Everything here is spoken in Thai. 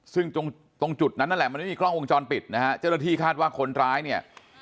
ซึ่งตรงตรงจุดนั้นนั่นแหละมันไม่มีกล้องวงจรปิดนะฮะเจ้าหน้าที่คาดว่าคนร้ายเนี่ย